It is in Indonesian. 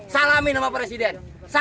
salami nama presiden